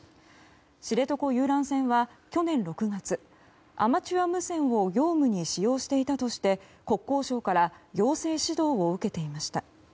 知床遊覧船は去年６月アマチュア無線を業務に使用していたとして国交省から行政指導を受けていました。